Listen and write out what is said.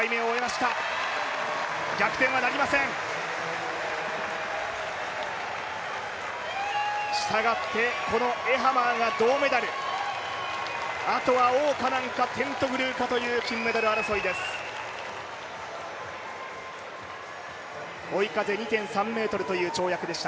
したがって、このエハマーが銅メダル。あとは王嘉男か、テントグルかという金メダル争いです。